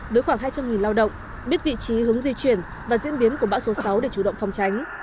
với khoảng hai trăm linh lao động biết vị trí hướng di chuyển và diễn biến của bão số sáu để chủ động phòng tránh